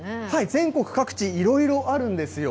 全国各地、いろいろあるんですよ。